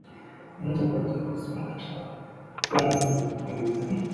Another brother was actor Bernie Hamilton.